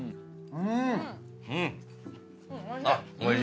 うん！